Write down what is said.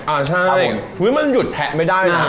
อ่าใช่มันหยุดแทะไม่ได้นะ